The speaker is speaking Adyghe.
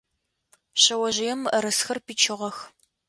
Шъэожъыем мыӏэрысэхэр пичыгъэх.